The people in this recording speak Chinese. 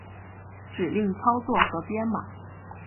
指令操作和编码